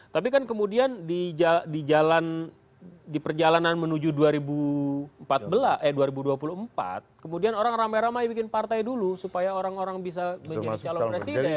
tapi kan kemudian di perjalanan menuju dua ribu dua puluh empat kemudian orang ramai ramai bikin partai dulu supaya orang orang bisa menjadi calon presiden